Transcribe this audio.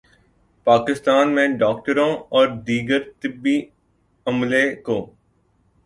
پاکستان میں ڈاکٹروں اور دیگر طبی عملے کو